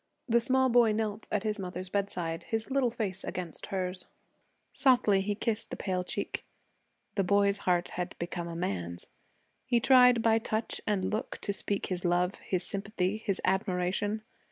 The small boy knelt at his mother's bedside, his little face against hers. Softly he kissed the pale cheek. The boy's heart had become a man's. He tried by touch and look to speak his love, his sympathy, his admiration.